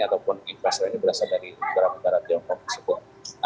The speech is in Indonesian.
ataupun investor ini berasal dari negara negara tiongkok tersebut